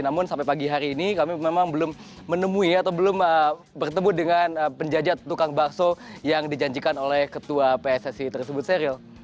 namun sampai pagi hari ini kami memang belum menemui atau belum bertemu dengan penjajat tukang bakso yang dijanjikan oleh ketua pssi tersebut seril